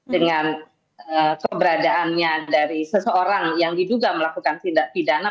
dengan keberadaannya dari seseorang yang diduga melakukan tindak pidana